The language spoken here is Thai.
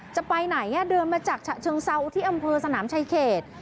จะไปไหนเดินมาจากฉะเชิงเซาที่อำเภอสนามชายเขต